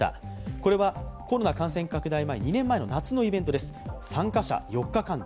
これはコロナ感染拡大前、２年前の夏のイベントの様子です。